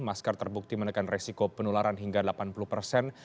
masker terbukti menekan resiko penularan hingga delapan puluh persen